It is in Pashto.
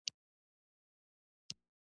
مور او پلار یې هلته دي.